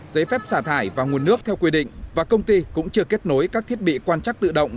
giấy phép xả thải và nguồn nước theo quy định và công ty cũng chưa kết nối các thiết bị quan trắc tự động